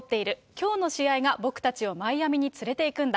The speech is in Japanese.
きょうの試合が僕たちをマイアミに連れていくんだ。